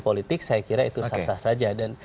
politik saya kira itu sah sah saja dan